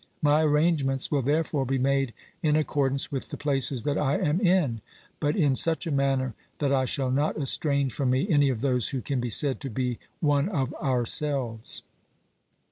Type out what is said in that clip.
My arrange ments will therefore be made in accordance with the places that I am in, but in such a manner that I shall not estrange from me any of those who can be said to be one of ourselves.